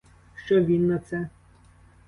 Що він на це?